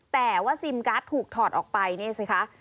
แต่ว่าซิมการ์ดถูกถอดออกไปนี่สิคะ